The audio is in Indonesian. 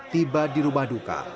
tiba di rubaduka